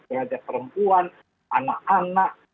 keadaan perempuan anak anak